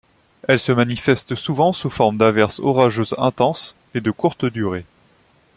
Elles se manifestent souvent sous forme d'averses orageuses intenses et de courte durée.